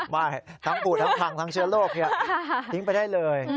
ไม่ทั้งปูดทั้งพังทั้งเชื้อโรคทิ้งไปได้เลย